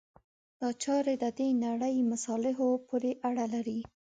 دا چارې د دې نړۍ مصالحو پورې اړه لري.